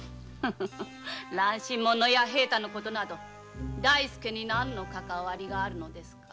乱心者の弥平太のことなど大輔に何のかかわりがあるのですか？